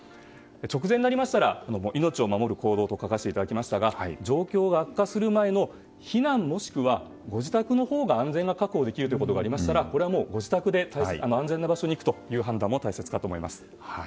直前になりましたら命を守る行動と書かせてもらいましたが状況が悪化する前の避難もしくはご自宅のほうが安全な確保ができるということでしたらご自宅で安全な場所に行く判断も大切かと思います。